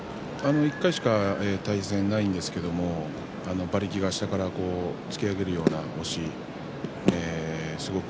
１回しか対戦がないんですけど馬力が下から突き上げるような押し。